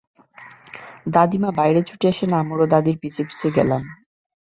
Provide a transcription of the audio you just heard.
দাদিমা বাইরে ছুটে আসেন, আমরাও দাদির পিছে পিছে গেলাম।